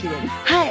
はい。